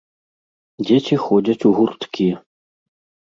Дзеці ходзяць у гурткі.